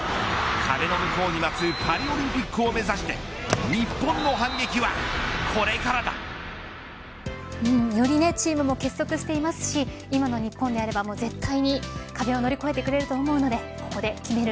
壁の向こうに待つパリオリンピックを目指してよりチームも結束していますし今の日本であれば絶対に壁を乗り越えてくれると思うのでここで決める。